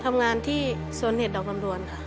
ทำงานที่โซนเน็ตดอกลำดวนค่ะ